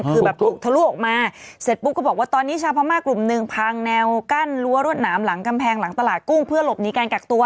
คือแบบถูกทะลุออกมาเสร็จปุ๊บก็บอกว่าตอนนี้ชาวพม่ากลุ่มหนึ่งพังแนวกั้นรั้วรวดหนามหลังกำแพงหลังตลาดกุ้งเพื่อหลบหนีการกักตัว